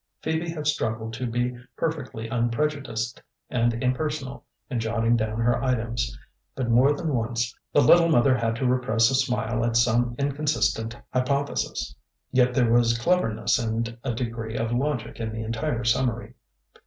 Phoebe had struggled to be perfectly unprejudiced and impersonal in jotting down her items, but more than once the Little Mother had to repress a smile at some inconsistent hypothesis. Yet there was cleverness and a degree of logic in the entire summary.